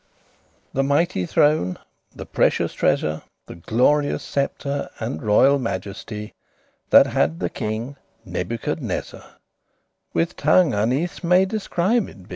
The mighty throne, the precious treasor, The glorious sceptre, and royal majesty, That had the king NABUCHODONOSOR With tongue unnethes* may described be.